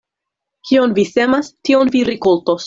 Kion vi semas, tion vi rikoltos.